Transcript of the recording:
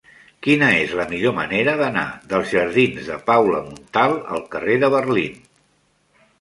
Quina és la millor manera d'anar dels jardins de Paula Montal al carrer de Berlín?